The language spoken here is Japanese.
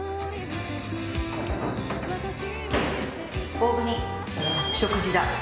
大國食事だ。